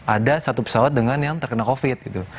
ada satu pesawat dengan yang terkena covid gitu